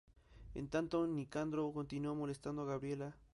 En tanto, Nicandro continúa molestando a Gabriela.